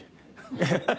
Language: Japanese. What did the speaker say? ハハハ。